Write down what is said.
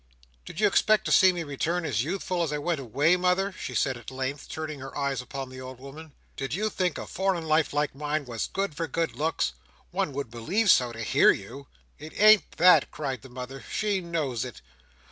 "Did you expect to see me return as youthful as I went away, mother?" she said at length, turning her eyes upon the old woman. "Did you think a foreign life, like mine, was good for good looks? One would believe so, to hear you!" "It ain't that!" cried the mother. "She knows it!"